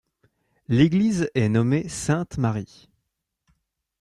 L'église est nommée Sainte Marie.